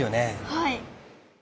はい。